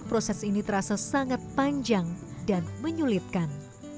proses ini terasa sangat panjang dan menyulitkan